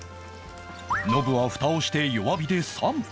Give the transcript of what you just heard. ノブは蓋をして弱火で３分